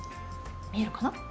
見えるかな？